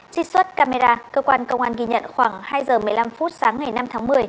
trích xuất camera cơ quan công an ghi nhận khoảng hai giờ một mươi năm phút sáng ngày năm tháng một mươi